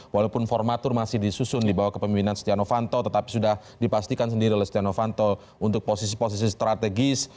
walaupun formatur masih disusun di bawah kepemimpinan setia novanto tetapi sudah dipastikan sendiri oleh setia novanto untuk posisi posisi strategis